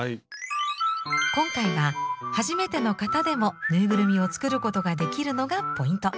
今回は初めての方でもぬいぐるみを作ることができるのがポイント。